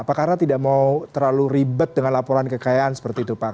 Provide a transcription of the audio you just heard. apa karena tidak mau terlalu ribet dengan laporan kekayaan seperti itu pak